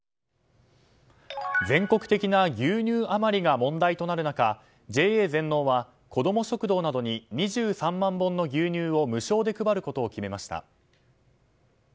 全国的な牛乳余りが問題となる中ＪＡ全農は、こども食堂などに２３万本の牛乳を無償で配ることを決めました。